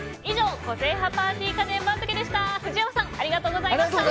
個性派パーティー家電番付でした。